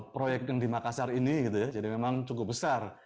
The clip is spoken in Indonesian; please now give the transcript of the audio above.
proyek yang di makassar ini jadi memang cukup besar